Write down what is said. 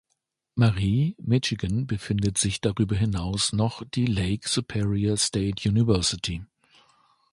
Marie, Michigan befindet sich darüber hinaus noch die Lake Superior State University.